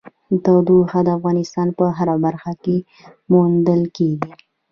تودوخه د افغانستان په هره برخه کې موندل کېږي.